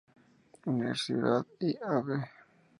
Universidad y Av.